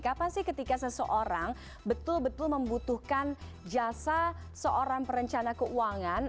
kapan sih ketika seseorang betul betul membutuhkan jasa seorang perencana keuangan